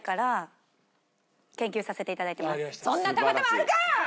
そんなたまたまあるかぁ！